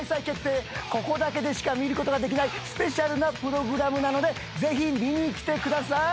ここだけでしか見ることができないスペシャルなプログラムなのでぜひ見に来てください。